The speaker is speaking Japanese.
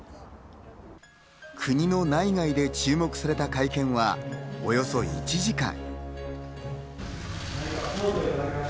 国の内外で注目された会見はおよそ１時間。